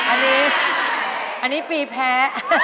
อันนี้อันนี้ปีแพ้